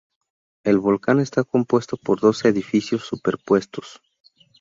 El volcán está compuesto por dos edificios superpuestos.